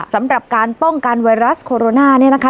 สำหรับการป้องกันไวรัสโคโรนาเนี่ยนะคะ